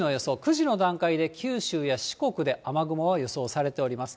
９時の段階で、九州や四国で雨雲が予想されております。